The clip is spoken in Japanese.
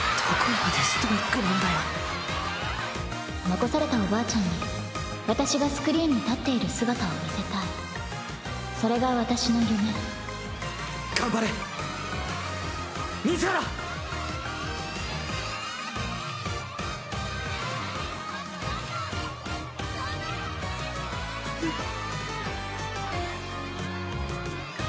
残されたおばあちゃんに私がスクリーンに立っている姿を見せたいそれが私の夢んっ。